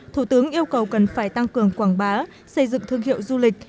thủ tướng yêu cầu cần phải tăng cường quảng bá xây dựng thương hiệu du lịch